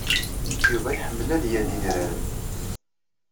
Yuba iḥemmel ad yaley idraren.